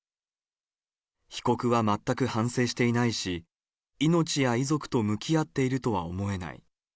被告は全く反省していないし、命や遺族と向き合っているとは思えない。